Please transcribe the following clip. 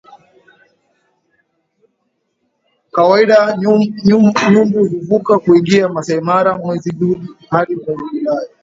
Kawaida nyumbu huvuka kuingia Maasai Mara mwezi Juni hadi mwezi Julai